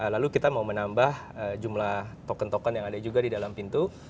lalu kita mau menambah jumlah token token yang ada juga di dalam pintu